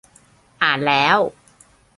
อ่านแล้ว